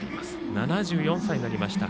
７４歳になりました。